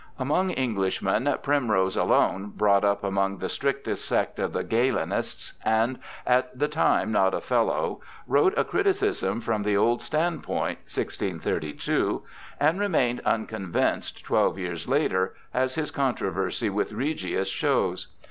Among Enghshmen, Primrose alone, brought up among the strictest sect of the Galenists, and at the time not a Fellow— wrote a criticism from the old standpoint (1632), and remained unconvinced twelve years later, as his controversy with Regius shows.